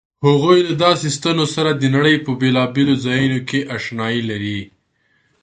هغوی له داسې ستنو سره د نړۍ په بېلابېلو ځایونو کې آشنايي لري.